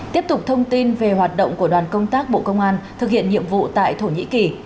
tiếp tục thông tin về hoạt động của đoàn công tác bộ công an thực hiện nhiệm vụ tại thổ nhĩ kỳ